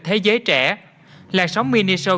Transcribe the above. thế giới trẻ làn sóng mini show